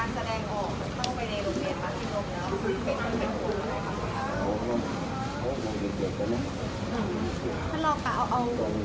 ตอนนี้การแสดงออกต้องไปในโรงเกณฑ์มาศิลป์แล้ว